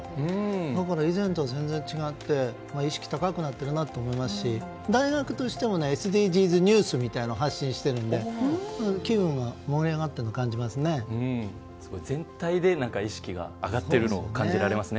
だから以前とは全然違って意識高くなっているなと思いますし、大学としてもＳＤＧｓニュースみたいなのを発信しているので機運が盛り上がっているのを感じますね。